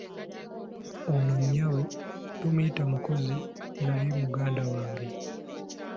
Ono nnyabo tomuyita mukozi , naye muganda wange.